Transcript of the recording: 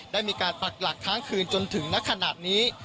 ได้มีการปักหลักทั้งคืนจนถึงนักขนาดนี้